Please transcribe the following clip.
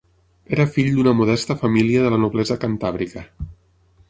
Era fill d'una modesta família de la noblesa cantàbrica.